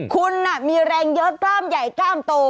คุณมีแรงเยอะกล้ามใหญ่กล้ามโต